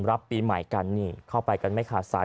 รับปีใหม่กันนี่เข้าไปกันไม่ขาดสาย